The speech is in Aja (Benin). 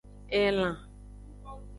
Elan.